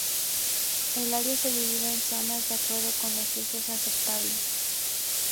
El área se divide en zonas de acuerdo con los usos aceptables.